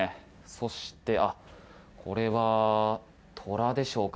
そして、これはトラでしょうか。